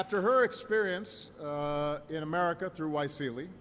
selepas mengalami pengalaman di amerika melalui yseali